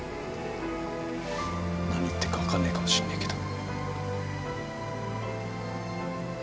何言ってるか分かんねえかもしんねえけど。